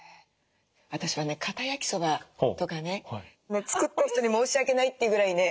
私はねかた焼きそばとかね作った人に申し訳ないっていうぐらいね